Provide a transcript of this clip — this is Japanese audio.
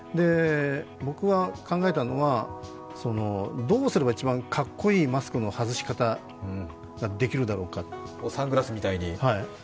僕は考えたのは、どうすれば一番かっこいいマスクの外し方ができるだろうかと。